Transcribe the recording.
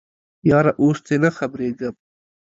یاره اوس تې نه خبریږم